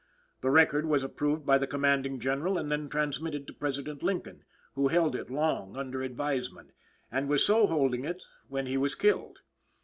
The record was approved by the Commanding General, and then transmitted to President Lincoln, who held it long under advisement, and was so holding it when he was killed.